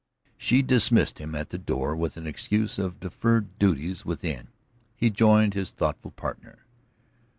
She dismissed him at the door with an excuse of deferred duties within. He joined his thoughtful partner.